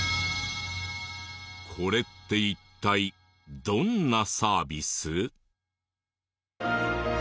これって一体どんなサービス？